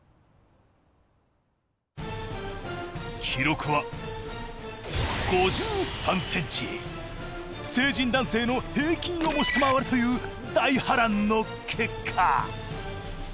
記録は成人男性の平均をも下回るという大波乱の結果。